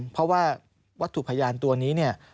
เพราะว่าวัตถุพยานตัวนี้เนี่ย